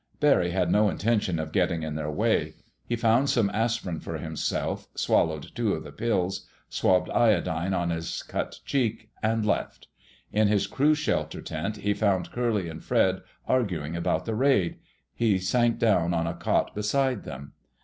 Barry had no intention of getting in their way. He found some aspirin for himself, swallowed two of the pills, swabbed iodine on his cut cheek, and left. In his crew's shelter tent he found Curly and Fred arguing about the raid. He sank down on a cot beside them.